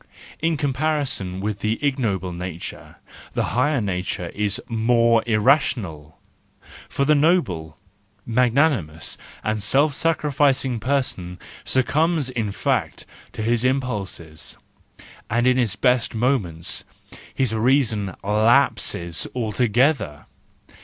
In comparison with the ignoble nature the higher nature is more irrational: — for the noble, magnanimous, and self sacrificing person succumbs in fact to his impulses, and in his best moments his reason lapses altogether.